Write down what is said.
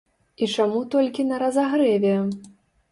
І чаму толькі на разагрэве?